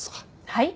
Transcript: はい？